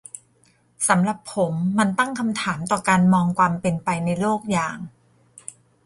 สำหรับผม มันตั้งคำถามต่อการมองความเป็นไปในโลกอย่าง